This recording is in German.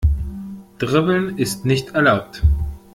Dribbeln ist nicht erlaubt.